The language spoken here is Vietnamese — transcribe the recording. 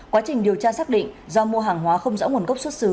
quá trình điều tra xác định do mua hàng hóa không rõ nguồn gốc xuất xứ